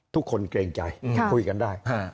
เกรงใจคุยกันได้